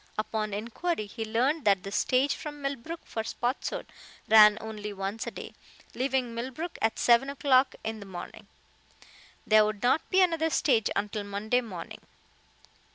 Upon inquiry, he learned that the stage from Millbrook for Spotswood ran only once a day, leaving Millbrook at seven o'clock in the morning. There would not be another stage until Monday morning.